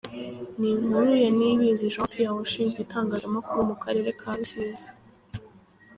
Ni inkuru ya Niyibizi Jean Pierre Ushinzwe Itangazamakuru mu Karere ka Rusizi.